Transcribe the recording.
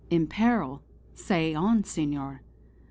in peril! Say on Senor!"